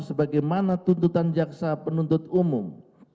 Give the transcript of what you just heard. sebagaimana tuntutan jaksa penuntut umum